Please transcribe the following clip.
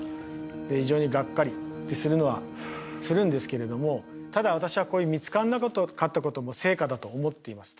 非常にがっかりってするのはするんですけれどもただ私はこういう見つからなかったことも成果だと思っています。